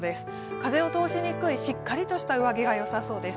風を通しにくい、しっかりとした上着がよさそうです。